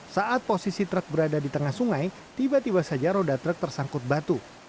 saat posisi truk berada di tengah sungai tiba tiba saja roda truk tersangkut batu